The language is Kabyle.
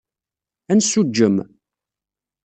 Ad nessuǧǧem.